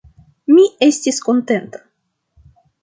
Mi estis kontenta.